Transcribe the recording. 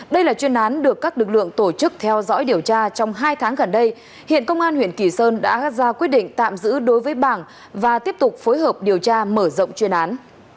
đây là chuyên án được các lực lượng tổ chức theo dõi điều tra trong hai tháng gần đây hiện công an huyện kỳ sơn đã ra quyết định tạm giữ đối với bảng và tiếp tục phối hợp điều tra mở rộng chuyên án